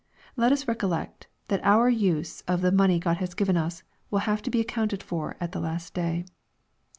— Let us recollect that our use of t^e money God has given us, will have to be accounted for at the last day.